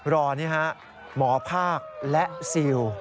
รอนี่ฮะหมอภาคและซิล